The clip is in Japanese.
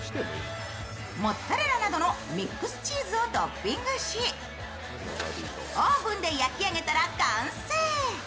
モッツァレラなどのミックスチーズをトッピングし、オーブンで焼き上げたら完成。